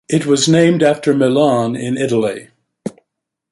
It was named after Milan, in Italy.